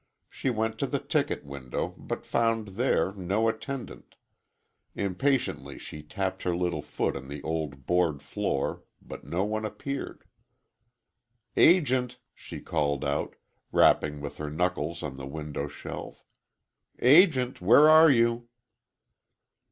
She went to the ticket window but found there no attendant. Impatiently she tapped her little foot on the old board floor but no one appeared. "Agent," she called out, rapping with her knuckles on the window shelf, "Agent,—where are you?"